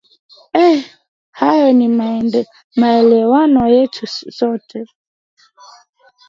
e hayo ni maelewano yetu sote